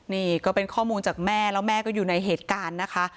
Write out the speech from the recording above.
นี่ก็เป็นข้อมูลจากแม่แล้วแม่ก็อยู่ในเหตุการณ์นะคะ